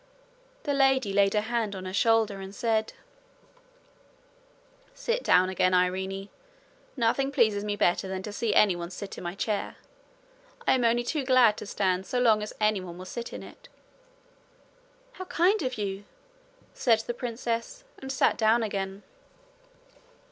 The lady laid her hand on her shoulder, and said: 'Sit down again, Irene. Nothing pleases me better than to see anyone sit in my chair. I am only too glad to stand so long as anyone will sit in it.' 'How kind of you!' said the princess, and sat down again.